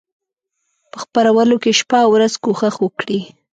په خپرولو کې شپه او ورځ کوښښ وکړي.